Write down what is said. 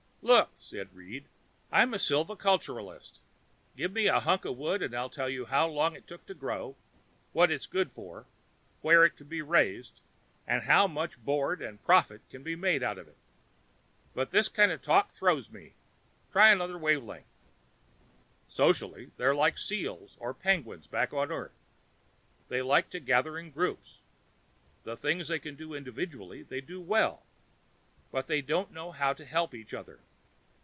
"Look," said Reed. "I'm a silviculturist. Give me a hunk of wood and I can tell how long it took to grow, what it's good for, where it can be raised and how much board and profit can be made out of it. But this kind of talk throws me. Try another wave length." "Socially, they're like the seals or penguins back on Earth. They like to gather in groups. The things they can do individually, they do well. But they don't know how to help each other.